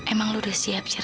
emang lu udah siap siap